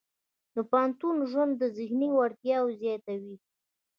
د پوهنتون ژوند د ذهني وړتیاوې زیاتوي.